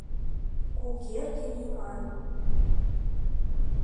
Кугерге лӱман.